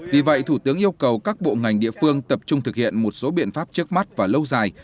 vì vậy thủ tướng yêu cầu các bộ ngành địa phương tập trung thực hiện một số biện pháp trước mắt và lâu dài